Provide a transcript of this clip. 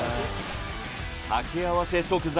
掛け合わせ食材